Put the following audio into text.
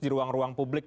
di ruang ruang publik